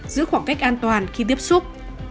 giữ khoảng cách an toàn khi tiếp xúc